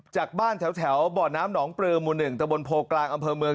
จากบ้านแถวบ่อน้ำหนองปลือหมู่๑ตะบนโพกลางอำเภอเมือง